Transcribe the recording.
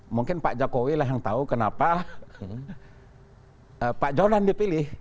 mungkin pak jokowi lah yang tahu kenapa pak jonan dipilih